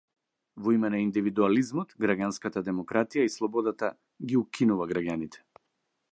Во име на индивидуализмот, граѓанската демократија и слободата - ги укинува граѓаните.